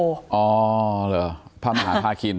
อ๋อเหรอพระมหาธาคิน